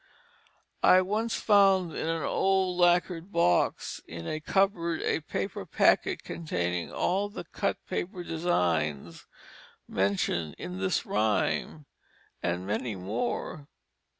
I once found in an old lacquered box in a cupboard a paper packet containing all the cut paper designs mentioned in this rhyme and many more.